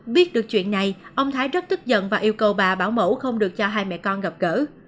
biết được chuyện này ông thái rất tức giận và yêu cầu bà bảo mẫu không được cho hai mẹ con gặp gỡ